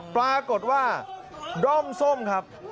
ปรากฏว่าด้อมส้มครับ